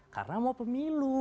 karena mau pemilu